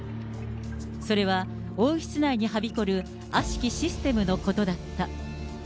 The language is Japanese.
それは王室内にはびこる悪しきシステムのことだった。